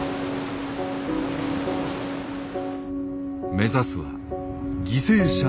目指すは“犠牲者ゼロ”。